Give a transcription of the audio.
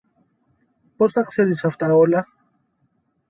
Πώς τα ξέρεις αυτά όλα;